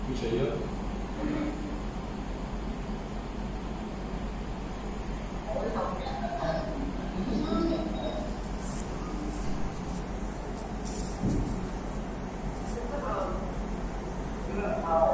Egunero egingo dituzte testak zentralaren inguruan, lau kilometroan.